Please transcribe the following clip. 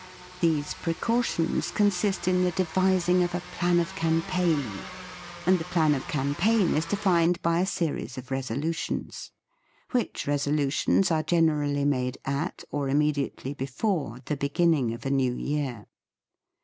These precautions consist in the devising of a plan of campaign, and the plan of campaign is defined by a series of resolutions: which resolutions are generally made at or immediately before the beginning of a New Year.